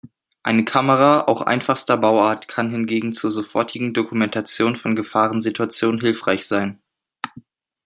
Eine Kamera auch einfachster Bauart kann hingegen zur sofortigen Dokumentation von Gefahrensituationen hilfreich sein.